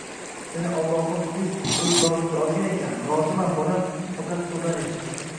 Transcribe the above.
Seni Allohim suyib, o`z bag`riga olgan ekan, roziman, bolam, faqat suvdan chiq